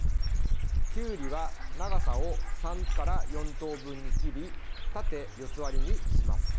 きゅうりは長さを３から４等分に切り縦四つ割りにします。